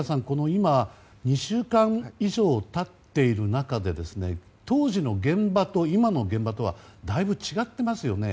今、２週間以上経っている中で当時の現場と今の現場とはだいぶ違っていますよね。